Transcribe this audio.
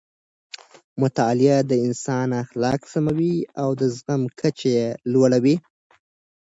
مطالعه د انسان اخلاق سموي او د زغم کچه یې لوړوي.